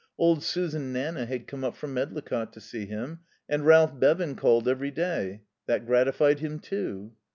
Old Susan Nanna had come up from Medlicott to see him. And Ralph Bevan called every day. That gratified him, too.